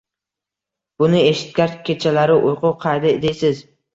Buni eshitgach, kechalari uyqu qayda deysiz!